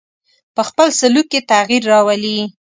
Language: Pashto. په خپل سلوک کې تغیر راولي.